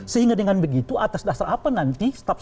sehingga dengan begitu atas dasar apa nanti staf staf ini